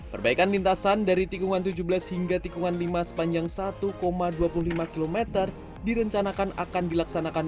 perbaikan lintasan dari tikungan tujuh belas hingga tikungan lima sepanjang satu dua puluh lima km direncanakan akan dilaksanakan